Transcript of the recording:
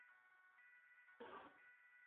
淡红美登木为卫矛科美登木属下的一个种。